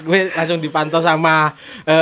gue langsung dipantau sama eksekutif produsen